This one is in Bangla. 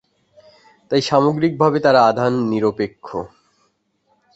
তাই সামগ্রিক ভাবে তারা আধান নিরপেক্ষ।